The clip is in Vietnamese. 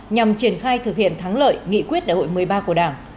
nhằm triển khai thực hiện thắng lợi nghị quyết đại hội một mươi ba của đảng